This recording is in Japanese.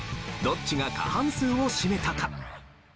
どっちが過半数を占めたか？